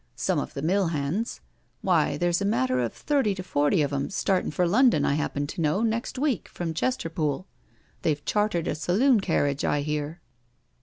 " Some of the mill hands. Why, there's a matter of thirty to forty of 'em startin' for London, I happen to know, next week, from Chester pool— they've chartered a saloon carriage, I hear."